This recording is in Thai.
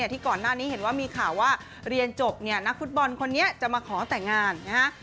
ที่ก่อนหน้านี้เห็นว่ามีข่าวว่าเรียนจบเนี่ยนักฟุตบอลคนนี้จะมาขอแต่งงานนะฮะ